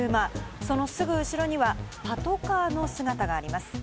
そのすぐ後ろにはパトカーの姿があります。